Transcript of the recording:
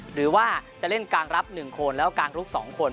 หรือว่าจะเล่นกางรับหนึ่งคนแล้วก็กางลุกสองคน